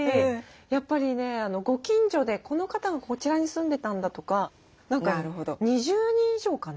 やっぱりねご近所でこの方がこちらに住んでたんだとか２０人以上かな。